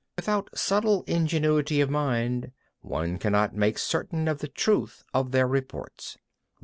17. Without subtle ingenuity of mind, one cannot make certain of the truth of their reports.